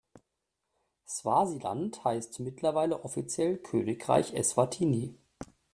Swasiland heißt mittlerweile offiziell Königreich Eswatini.